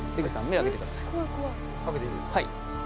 開けていいんですか？